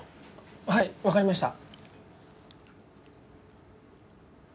はいわかりました。